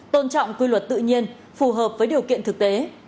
tôn trọng quy luật tự nhiên phù hợp với điều kiện thực tế